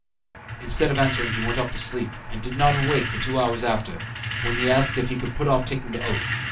Instead of answering he went off to sleep, and did not awake for two hours after, when he asked if he could put off taking the oath.